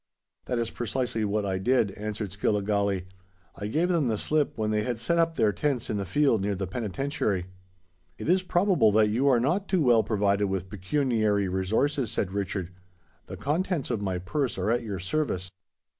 "That is precisely what I did," answered Skilligalee. "I gave them the slip when they had set up their tents in the field near the Penitentiary." "It is probable that you are not too well provided with pecuniary resources," said Richard: "the contents of my purse are at your service."